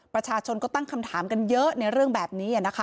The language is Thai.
ประชาชนก็ตั้งคำถามกันเยอะในเรื่องแบบนี้นะคะ